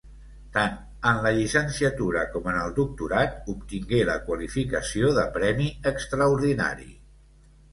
Tant en la llicenciatura com en el doctorat obtingué la qualificació de premi extraordinari.